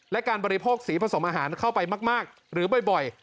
และการบริโภคสีผสมอาหารเข้าไปมากหรือบ่อย